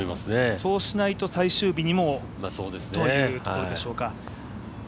そうしないと最終日にもというところでしょうか。